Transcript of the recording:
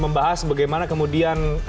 membahas bagaimana kemudian